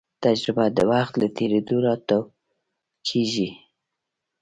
تجربه د وخت له تېرېدو راټوکېږي.